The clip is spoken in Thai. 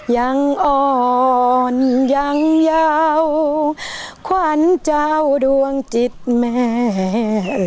ยังอ่อนยังเยาขวัญเจ้าดวงจิตแม่